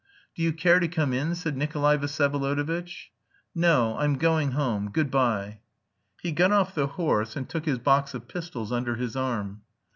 "Do you care to come in?" said Nikolay Vsyevolodovitch. "No; I'm going home. Good bye." He got off the horse and took his box of pistols under his arm.